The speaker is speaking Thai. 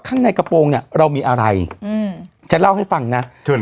ข้างในกระโปรงเนี้ยเรามีอะไรอืมจะเล่าให้ฟังนะ